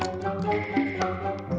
ada hantu mie di sana